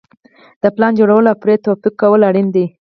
د پلان جوړول او پرې توافق کول اړین دي.